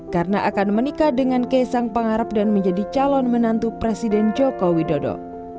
karena akan menikah dengan kesang pengarap dan menjadi calon menantu presiden joko widodo